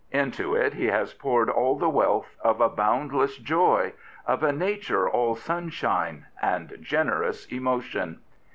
Into it he has poured all the wealth of a boundless joy, of a nature all sunshine and generous emotion.